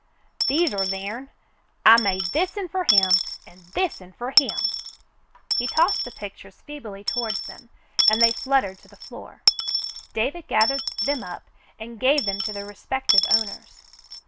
"These're theirn. I made this'n fer him an' this'n fer him." He tossed the pictures feebly toward them, and they fluttered to the floor. David gathered them up and gave them to their respective owners.